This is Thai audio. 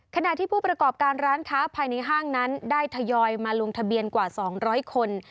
ขณะที่ผู้ประกอบการร้านค้าภายในห้างนั้นได้ทยอยมาลงทะเบียนกว่า๒๐๐คน